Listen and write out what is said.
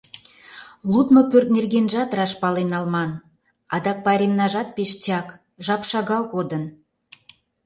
Лудмо пӧрт нергенжат раш пален налман, адак пайремнажат пеш чак, жап шагал кодын.